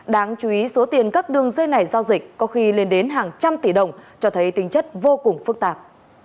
đáng chú ý số tiền các đường dây này giao dịch có khi lên đến hàng trăm tỷ đồng cho thấy tinh chất vô cùng phức tạp